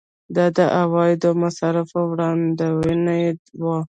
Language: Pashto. دا د عوایدو او مصارفو وړاندوینه وه.